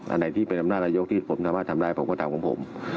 อะไรที่เป็นอำนาจระยกถ้าความทำลายผมตามพวกผม